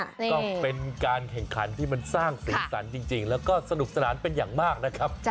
ก็เป็นการแข่งขันที่มันสร้างสีสันจริงแล้วก็สนุกสนานเป็นอย่างมากนะครับ